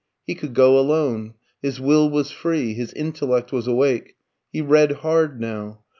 He could go alone. His will was free, his intellect was awake. He read hard now.